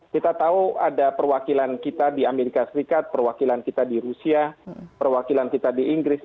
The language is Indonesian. kita tahu ada perwakilan kita di amerika serikat perwakilan kita di rusia perwakilan kita di inggris